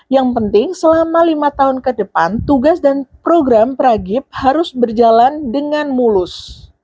yang penting selama lima tahun ke depan tugas dan program pragip harus berjalan dengan mulus